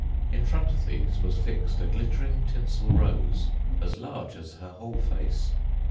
In front of these was fixed a glittering tinsel rose, as large as her whole face.